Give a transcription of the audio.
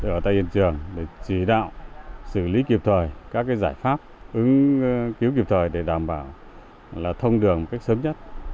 ở tại hiện trường để chỉ đạo xử lý kịp thời các giải pháp ứng cứu kịp thời để đảm bảo là thông đường một cách sớm nhất